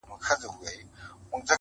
نو گراني تاته په ښكاره نن داخبره كوم,